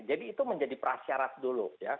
jadi itu menjadi prasyarat dulu